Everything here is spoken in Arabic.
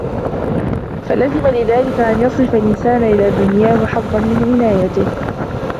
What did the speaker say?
فَلَزِمَ لِذَلِكَ أَنْ يَصْرِفَ الْإِنْسَانُ إلَى دُنْيَاهُ حَظًّا مِنْ عِنَايَتِهِ